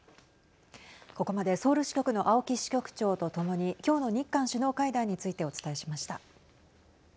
ここまでソウル支局の青木支局長と共に今日の日韓首脳会談についてお伝えしました。